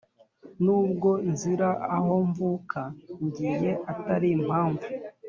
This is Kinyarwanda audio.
n’ubwo nzira aho mvuka ngiye utari impamvu